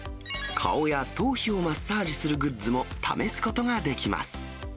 顔や頭皮をマッサージするグッズも試すことができます。